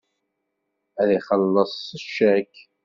Ad ixelleṣ s ccak.